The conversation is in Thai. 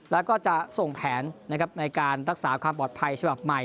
แล้วก็จะส่งแผนในการรักษาความปลอดภัยฉบับใหม่